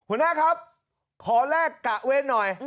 หวังนะครับขอแลกเกะเว้นหน่อย